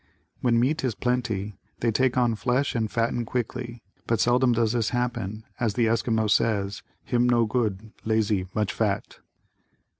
When meat is plenty, they take on flesh and fatten quickly but seldom does this happen as the Esquimaux says, "Him no good, lazy, much fat."